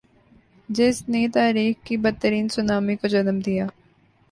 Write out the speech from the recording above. جس نی تاریخ کی بدترین سونامی کو جنم دیا تھا۔